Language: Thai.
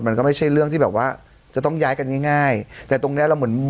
มันก็ไม่ใช่เรื่องที่แบบว่าจะต้องย้ายกันง่ายง่ายแต่ตรงเนี้ยเราเหมือน